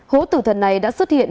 hố tử thần này đã xuất hiện